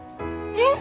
うん。